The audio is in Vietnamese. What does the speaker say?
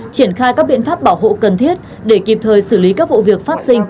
triển khai các biện pháp bảo hộ cần thiết để kịp thời xử lý các vụ việc phát sinh